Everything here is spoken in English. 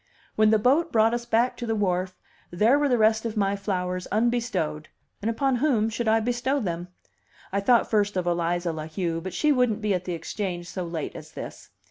When the boat brought us back to the wharf, there were the rest of my flowers unbestowed, and upon whom should I bestow them? I thought first of Eliza La Heu, but she wouldn't be at the Exchange so late as this.